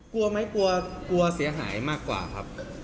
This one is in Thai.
กลัวไหมกลัวกลัวเสียหายมากกว่าครับ